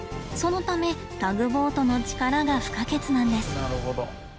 そのためタグボートの力が不可欠なんです。